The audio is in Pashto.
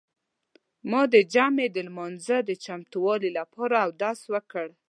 ما د جمعې د لمانځه د چمتووالي لپاره اودس وکړ.